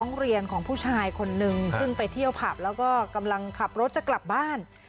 โรงเรียนของผู้ชายคนนึงซึ่งไปเที่ยวผับแล้วก็กำลังขับรถจะกลับบ้าน